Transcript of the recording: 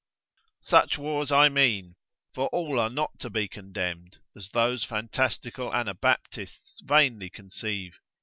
Such wars I mean; for all are not to be condemned, as those fantastical Anabaptists vainly conceive.